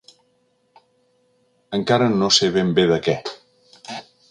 Encara no sé ben bé de què.